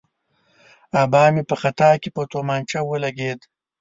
آبا مې په خطا کې په تومانچه ولګېد.